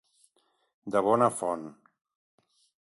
De bona font.